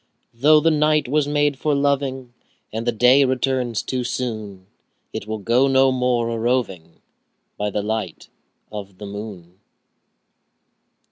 Though the night was made for loving, And the day returns too soon, 10 Yet we'll go no more a roving By the light of the moon.